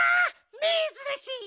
めずらしい！